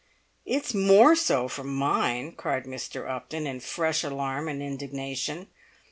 "It's more so from mine!" cried Mr. Upton, in fresh alarm and indignation.